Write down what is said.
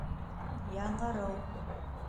ЯҢЫРЫУ